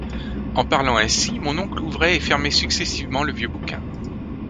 En parlant ainsi, mon oncle ouvrait et fermait successivement le vieux bouquin.